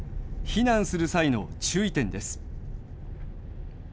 避難する際の注意点です。